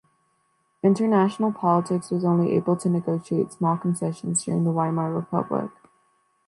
International politics was only able to negotiate small concessions during the Weimar Republic.